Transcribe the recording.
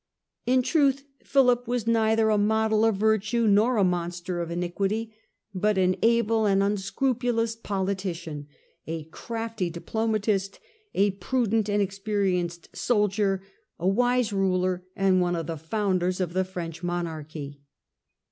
In truth Philip was neither a model of virtue nor a monster of iniquity, but an able and unscrupulous politician, a crafty diplomatist, a prudent and experienced soldier, a wise ruler and one of the founders of the French monarchy.